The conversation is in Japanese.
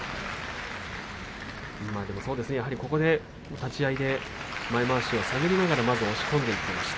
立ち合いで前まわしを探りながら押し込んでいきました。